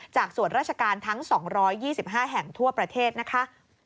ส่วนราชการทั้ง๒๒๕แห่งทั่วประเทศนะคะ